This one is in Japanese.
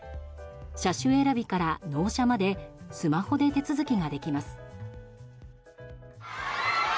車種選びから納車までスマホで手続きができます。